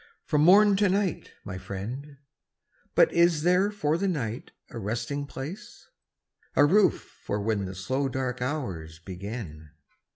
From morn to night, my friend. But is there for the night a resting place? A roof for when the slow dark hours begin.